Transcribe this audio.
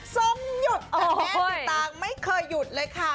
ทรงหยุดแต่แม่สีตางค์ไม่เคยหยุดเลยค่ะ